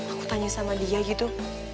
aku tanya sama dia gitu